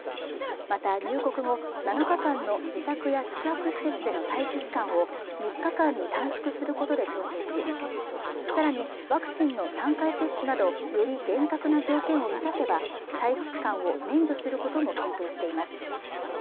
また入国後７日間の自宅や宿泊施設での待機期間を３日間に短縮することで調整しさらにワクチンの３回接種などより厳格な条件を満たせば待機期間を免除することも検討しています